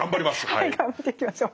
はい頑張っていきましょう。